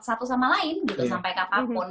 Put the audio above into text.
satu sama lain gitu sampai ke apapun